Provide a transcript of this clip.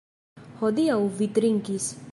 Hodiaŭ vi trinkis.